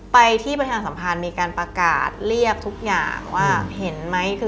ไปที่ประธานสัมพันธ์มีการประกาศเรียกทุกอย่างว่าเห็นไหม